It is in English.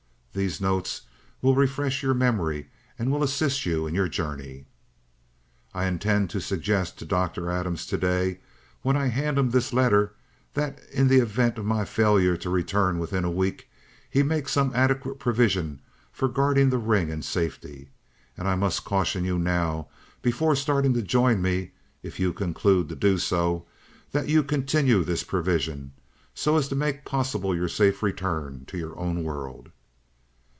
These notes will refresh your memory and will assist you in your journey. "'I intend to suggest to Dr. Adams to day when I hand him this letter, that in the event of my failure to return within a week, he make some adequate provision for guarding the ring in safety. And I must caution you now, before starting to join me, if you conclude to do so, that you continue this provision, so as to make possible your safe return to your own world.